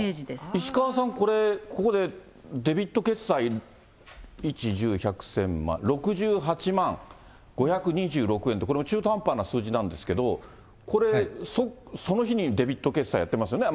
石川さん、これ、ここで、デビット決済、１、１０、１００、１０００、万、６８万５２６円って、これ中途半端な数字なんですけど、その日にデビット決済やってますよね。